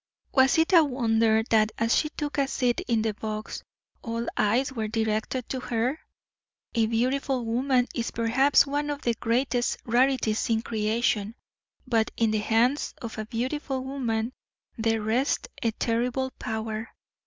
Was it a wonder that as she took a seat in the box, all eyes were directed to her? A beautiful woman is perhaps one of the greatest rarities in creation, but in the hands of a beautiful woman there rests a terrible power.